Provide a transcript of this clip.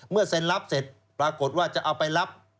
เซ็นรับเสร็จปรากฏว่าจะเอาไปรับ